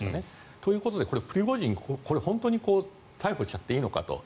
ということでプリゴジン本当に逮捕しちゃっていいのかと。